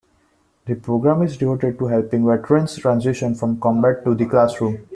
The program is devoted to helping veterans transition from combat to the classroom.